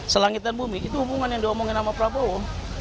selangitan bumi itu hubungan yang diomongin sama prabowo